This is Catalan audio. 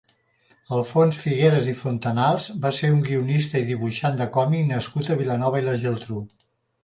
Alfons Figueras i Fontanals va ser un guionista i dibuixant de còmic nascut a Vilanova i la Geltrú.